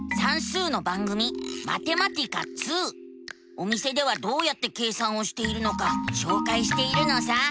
お店ではどうやって計算をしているのかしょうかいしているのさ。